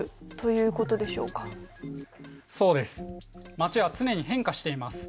街は常に変化しています。